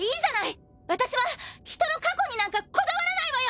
私は人の過去になんかこだわらないわよ！